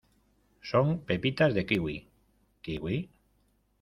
son pepitas de kiwi. ¿ kiwi?